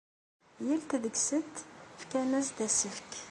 Yal ta deg-sent fkan-as-d asefk.